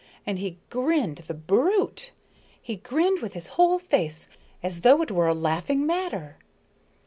And he grinned the brute! he grinned with his whole face, as though it were a laughing matter."